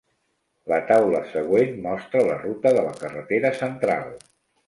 La taula següent mostra la ruta de la Carretera Central.